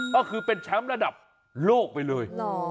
ก็คือเป็นแชมป์ระดับโลกไปเลย